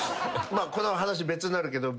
この話別になるけど。